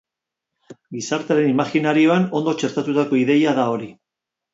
Gizartearen imajinarioan ondo txertatutako ideia da hori.